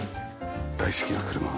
大好きな車が。